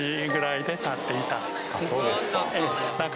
そうですか。